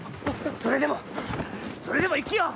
それでもそれでも生きよう！